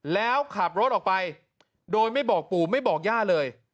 แล้วขับรถออกไปโดยไม่บอกปู่ไม่บอกย่าเลย